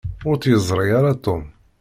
Ur tt-yeẓṛi ara Tom.